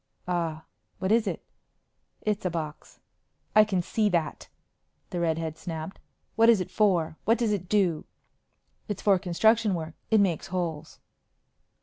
"Ah what is it?" "It's a box." "I can see that," the redhead snapped. "What is it for? What does it do?" "It's for construction work. It makes holes."